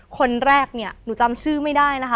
คนแรกเนี่ยหนูจำชื่อไม่ได้นะคะ